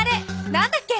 何だっけ？